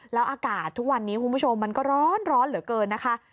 แล้วอากาศทุกวันนี้คุณผู้ชมมันก็ร้อนเหลือเกินนะคะ